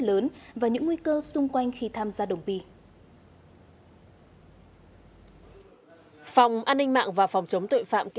lớn và những nguy cơ xung quanh khi tham gia đồng p phòng an ninh mạng và phòng chống tội phạm kỹ